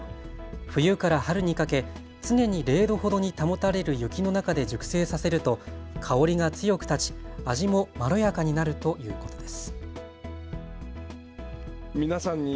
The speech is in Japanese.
冬から春にかけ常に零度ほどに保たれる雪の中で熟成させると香りが強く立ち、味もまろやかになるということです。